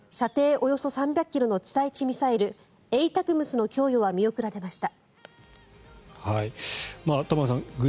およそ３００ｋｍの地対地ミサイルＡＴＡＣＭＳの供与は見送られました。